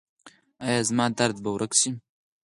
ایا زما درد به ورک شي؟